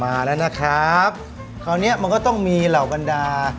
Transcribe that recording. มาแล้วนะครับคราวเนี้ยมันก็ต้องมีเหล่าบรรดา